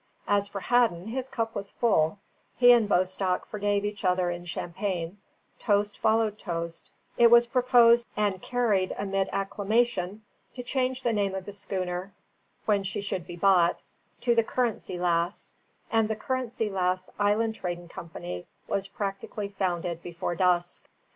As for Hadden, his cup was full; he and Bostock forgave each other in champagne; toast followed toast; it was proposed and carried amid acclamation to change the name of the schooner (when she should be bought) to the Currency Lass; and the Currency Lass Island Trading Company was practically founded before dusk.